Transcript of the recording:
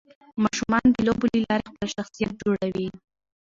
ماشومان د لوبو له لارې خپل شخصيت جوړوي.